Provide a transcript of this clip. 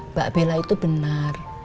mbak bella itu benar